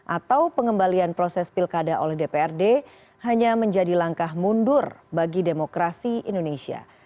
atau pengembalian proses pilkada oleh dprd hanya menjadi langkah mundur bagi demokrasi indonesia